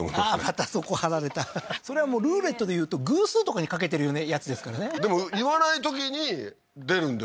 またそこ張られたそれはもうルーレットでいうと偶数とかに賭けてるようなやつですからねでも言わないときに出るんですよ